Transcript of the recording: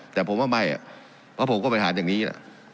แต่ผมว่าไม่อ่ะเพราะผมก็เป็นอาหารอย่างนี้อ่ะ